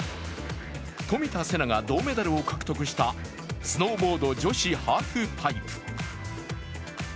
冨田せなが銅メダルを獲得したスノーボード女子ハーフパイプ。